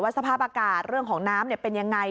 สภาพอากาศเรื่องของน้ำเป็นยังไง